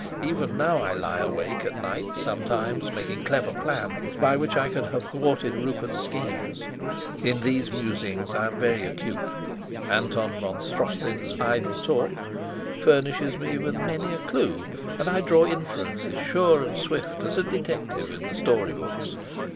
Even now I lie awake at night sometimes, making clever plans by which I could have thwarted Rupert's schemes. In these musings I am very acute; Anton von Strofzin's idle talk furnishes me with many a clue, and I draw inferences sure and swift as a detective in the story books.